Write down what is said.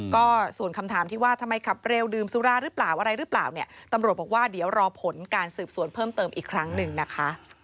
ก็ส่วนคำถามที่ว่าทำไมขับเร็วดื่มสุราหรือเปล่าอะไรหรือเปล่าเนี่ยตำรวจบอกว่าเดี๋ยวรอผลการสืบสวนเพิ่มเติมอีกครั้งหนึ่งนะคะ